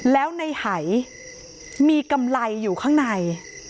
แล้วในหายมีกำไรอยู่ข้างใน